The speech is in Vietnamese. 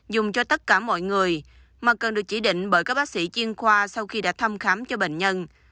dùng cho tất cả mọi người mà cần được chỉ định bởi các bác sĩ chiên khoa sau khi đã thăm khám cho bệnh nhân